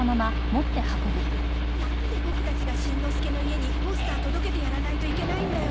なんでボクたちがしんのすけの家にポスター届けてやらないといけないんだよ。